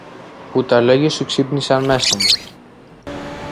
που τα λόγια σου ξύπνησαν μέσα μου.